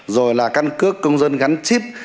rồi là căn cước công dân gắn chip